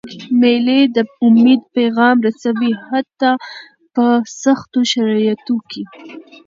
مېلې د امید پیغام رسوي، حتی په سختو شرایطو کي.